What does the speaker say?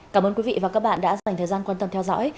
cảm ơn quý vị và các bạn đã dành thời gian quan tâm theo dõi